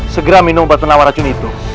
segera minum obat penawar racun itu